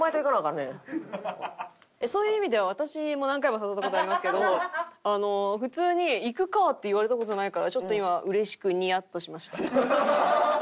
そういう意味では私も何回も誘った事ありますけど普通に「行くかぁ！」って言われた事ないからちょっと今うれしくニヤッとしました。